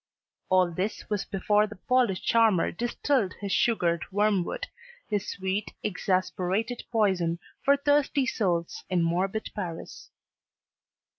All this was before the Polish charmer distilled his sugared wormwood, his sweet, exasperated poison, for thirsty souls in morbid Paris.